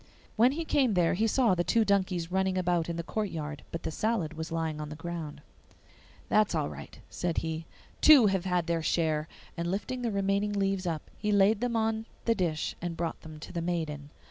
When he came there he saw the two donkeys running about in the courtyard, but the salad was lying on the ground. 'That's all right,' said he; 'two have had their share!' And lifting the remaining leaves up, he laid them on the dish and brought them to the maiden.